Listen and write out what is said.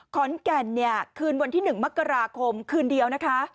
ขอนแก่นเนี่ยคืนวันที่๑มกราคมคืนเดียวนะคะ